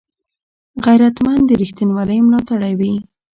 غیرتمند د رښتینولۍ ملاتړی وي